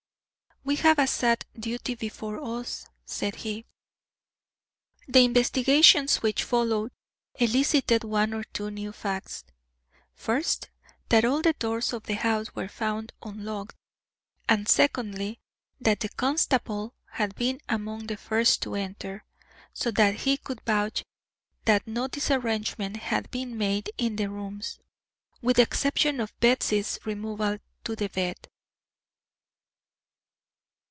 "We have a sad duty before us," said he. The investigations which followed elicited one or two new facts. First, that all the doors of the house were found unlocked; and, secondly, that the constable had been among the first to enter, so that he could vouch that no disarrangement had been made in the rooms, with the exception of Batsy's removal to the bed.